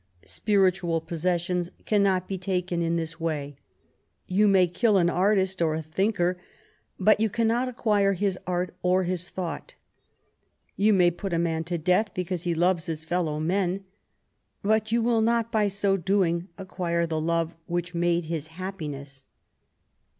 Spiritual possessions cannot be taken in this way. You may kill an artist or a thinker, but you cannot acquire his art or his thought. You may put a man to death because he loves his fellow men, but you will not by so doing acquire the love which made his happiness.